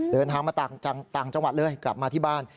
เดินทางมาต่างจังหวัดเลยกลับมาที่บ้าน